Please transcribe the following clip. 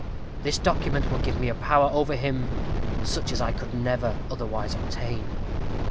This document will give me a power over him such as I could never otherwise obtain."